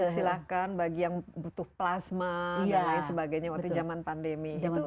silahkan bagi yang butuh plasma dan lain sebagainya waktu zaman pandemi